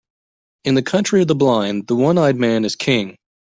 In the country of the blind, the one-eyed man is king.